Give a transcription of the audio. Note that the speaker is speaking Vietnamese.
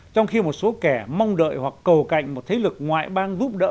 trong khi một số kẻ mong đợi hoặc cầu cạnh một thế lực ngoại bang giúp đỡ